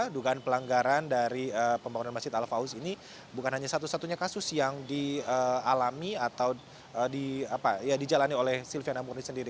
dugaan pelanggaran dari pembangunan masjid al faus ini bukan hanya satu satunya kasus yang dialami atau dijalani oleh silviana murni sendiri